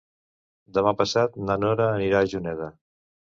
Demà passat na Nora anirà a Juneda.